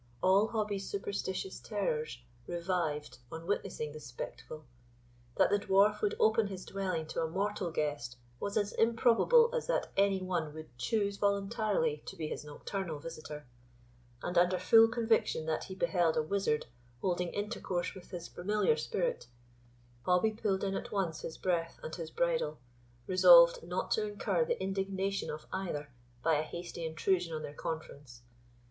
All Hobbie's superstitious terrors revived on witnessing this'spectacle. That the Dwarf would open his dwelling to a mortal guest, was as improbable as that any one would choose voluntarily to be his nocturnal visitor; and, under full conviction that he beheld a wizard holding intercourse with his familiar spirit, Hobbie pulled in at once his breath and his bridle, resolved not to incur the indignation of either by a hasty intrusion on their conference.